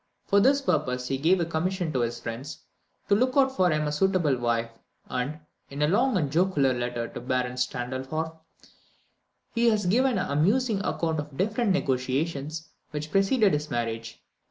For this purpose, he gave a commission to his friends to look out for him a suitable wife, and, in a long and jocular letter to Baron Strahlendorf, he has given an amusing account of the different negotiations which preceded his marriage.